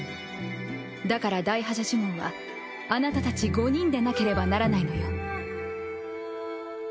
だから大破邪呪文はあなたたち５人でなければならないのよ。